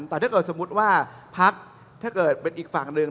แต่ถ้าเกิดสมมุติว่าพักถ้าเกิดเป็นอีกฝั่งหนึ่ง